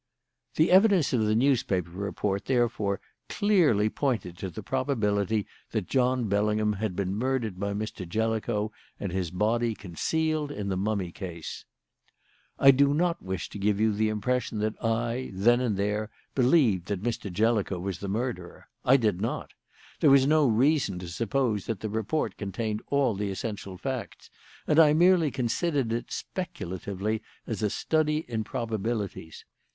"The evidence of the newspaper report, therefore, clearly pointed to the probability that John Bellingham had been murdered by Mr. Jellicoe and his body concealed in the mummy case. "I do not wish to give you the impression that I, then and there, believed that Mr. Jellicoe was the murderer. I did not. There was no reason to suppose that the report contained all the essential facts, and I merely considered it speculatively as a study in probabilities.